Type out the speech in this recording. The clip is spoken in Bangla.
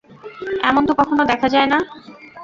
এমন তো কখনো দেখা যায় না।